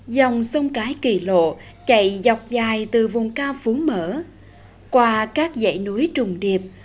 dòng sông cái kỳ lộ chạy dọc dài từ vùng cao phú mở qua các dãy núi trùng điệp